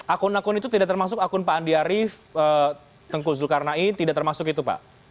akun akun itu tidak termasuk akun pak andi arief tengku zulkarnain tidak termasuk itu pak